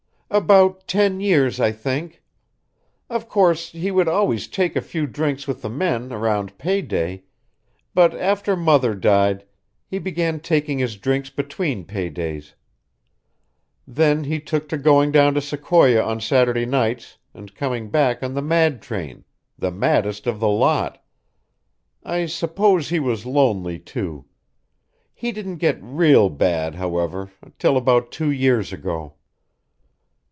"About ten years, I think. Of course, he would always take a few drinks with the men around pay day, but after Mother died, he began taking his drinks between pay days. Then he took to going down to Sequoia on Saturday nights and coming back on the mad train, the maddest of the lot. I suppose he was lonely, too. He didn't get real bad, however, till about two years ago."